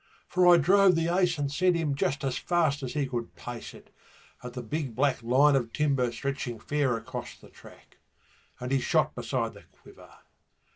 For I drove the Ace and sent him just as fast as he could pace it, At the big black line of timber stretching fair across the track, And he shot beside the Quiver.